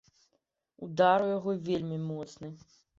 Удар у яго вельмі моцны.